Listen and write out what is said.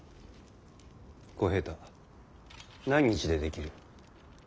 小平太何日で出来る？